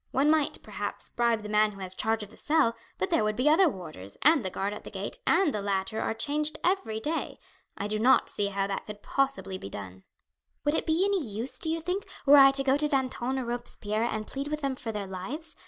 One might, perhaps, bribe the man who has charge of the cell, but there would be other warders, and the guard at the gate, and the latter are changed every day. I do not see how that could possibly be done." "Would it be any use, do you think, were I to go to Danton or Robespierre and plead with them for their lives?